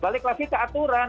balik lagi ke aturan